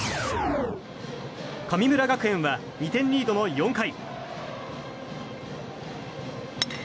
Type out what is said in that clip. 神村学園は２点リードの４回。